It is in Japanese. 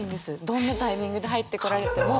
どんなタイミングで入ってこられても。